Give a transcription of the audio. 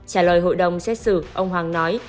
trả lời hội đồng xét xử ông hoàng nói